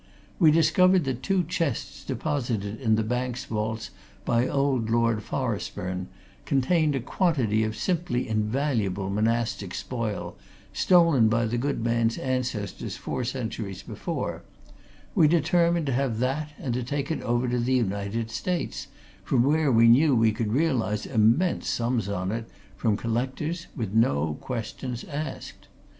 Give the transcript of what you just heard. We discovered that two chests deposited in the bank's vaults by old Lord Forestburne contained a quantity of simply invaluable monastic spoil, stolen by the good man's ancestors four centuries before: we determined to have that and to take it over to the United States, where we knew we could realize immense sums on it, from collectors, with no questions asked.